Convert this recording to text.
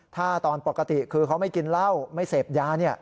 ถ้าตอนปกติคือเขาไม่กินเหล้าไม่เสพยา